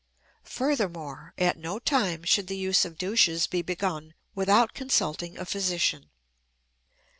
Furthermore, at no time should the use of douches be begun without consulting a physician.